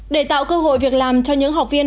để tạo cơ hội việc làm cho những học viên